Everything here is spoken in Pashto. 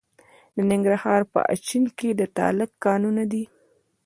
د ننګرهار په اچین کې د تالک کانونه دي.